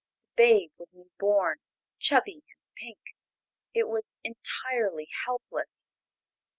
The babe was newborn, chubby and pink. It was entirely helpless.